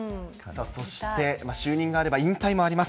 そして、就任があれば引退もあります。